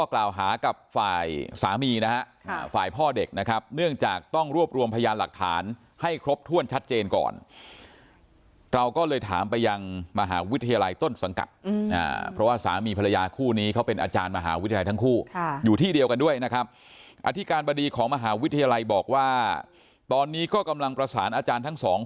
กล่าวหากับฝ่ายสามีนะฮะฝ่ายพ่อเด็กนะครับเนื่องจากต้องรวบรวมพยานหลักฐานให้ครบถ้วนชัดเจนก่อนเราก็เลยถามไปยังมหาวิทยาลัยต้นสังกัดเพราะว่าสามีภรรยาคู่นี้เขาเป็นอาจารย์มหาวิทยาลัยทั้งคู่อยู่ที่เดียวกันด้วยนะครับอธิการบดีของมหาวิทยาลัยบอกว่าตอนนี้ก็กำลังประสานอาจารย์ทั้งสอง